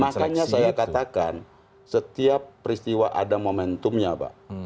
makanya saya katakan setiap peristiwa ada momentumnya pak